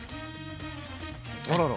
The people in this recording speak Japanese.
あらら。